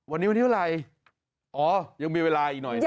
วันนี้วันนี้อะไรอ๋อยังมีเวลาอีกหน่อยนะครับ